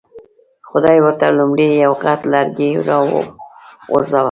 خدای ورته لومړی یو غټ لرګی را وغورځاوه.